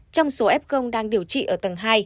trong số f đang điều trị ở tầng hai